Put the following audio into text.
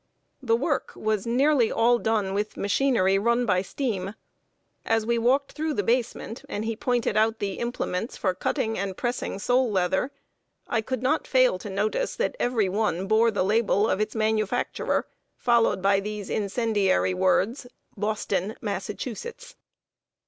The work was nearly all done with machinery run by steam. As we walked through the basement, and he pointed out the implements for cutting and pressing sole leather, I could not fail to notice that every one bore the label of its manufacturer, followed by these incendiary words: "Boston, Massachusetts!"